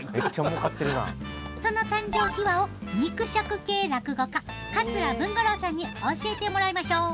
その誕生秘話を肉食系落語家桂文五郎さんに教えてもらいまひょ。